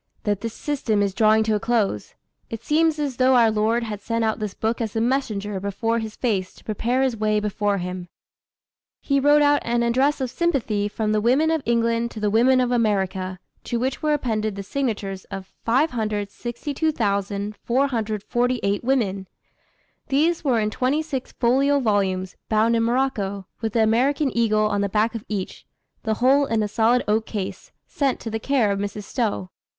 that this system is drawing to a close. It seems as though our Lord had sent out this book as the messenger before His face to prepare His way before Him." He wrote out an address of sympathy "From the women of England to the women of America," to which were appended the signatures of 562,448 women. These were in twenty six folio volumes, bound in morocco, with the American eagle on the back of each, the whole in a solid oak case, sent to the care of Mrs. Stowe.